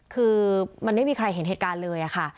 คือมันไม่มีใครเห็นเหตุการณ์เลยค่ะ